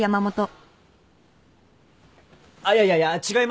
あっいやいやいや違いますよ。